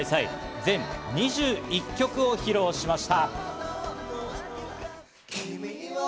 全２１曲を披露しました。